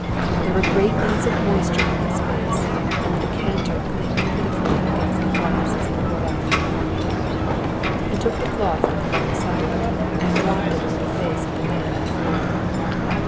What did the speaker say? There were great beads of moisture on his face, and the decanter clinked pitifully against the glass as he poured out more wine. He took the cloth from the long sideboard and dropped it over the face of the man on the floor.